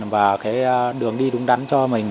và cái đường đi đúng đắn cho mình